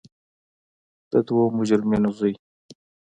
د دوو مجرمینو زوی.